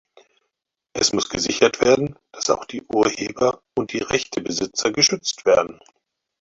Es muss gesichert werden, dass auch die Urheber und die Rechtebesitzer geschützt werden.